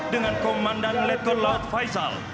dengan komandan letkol laut faisal